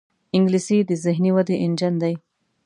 انګلیسي د ذهني ودې انجن دی